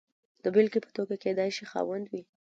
د بېلګې په توګه کېدای شي خاوند وي.